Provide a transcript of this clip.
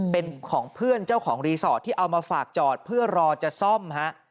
เป็นของเพื่อนเจ้าของรีสอร์ทที่เอามาฝากจอดเพื่อรอจะซ่อมฮะ